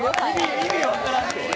意味分からんって。